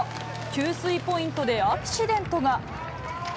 給水ポイントでアクシデントが。